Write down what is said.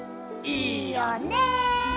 いいよね！